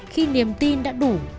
khi niềm tin đã đủ